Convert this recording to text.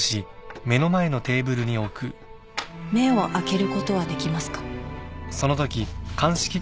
目を開けることはできますか？